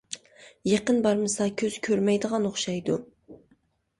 — يېقىن بارمىسا كۆزى كۆرمەيدىغان ئوخشايدۇ.